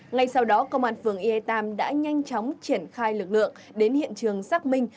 ngay sau đó công an phường eê tam đã nhanh chóng triển khai lực lượng đến hiện trường xác minh